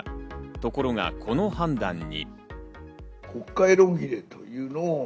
ところがこの判断に。